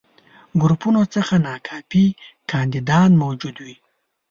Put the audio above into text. ګروپونو څخه ناکافي کانديدان موجود وي.